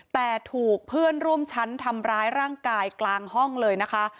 แต่ถูกเพื่อนร่วมชั้นทำร้ายร่างกายกลางห้องเลยนะคะ